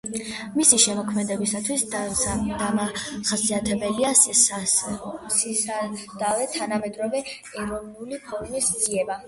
მისი შემოქმედებისათვის დამახასიათებელია სისადავე, თანამედროვე ეროვნული ფორმების ძიება.